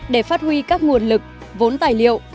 để phát huy các nguồn lực vốn tài liệu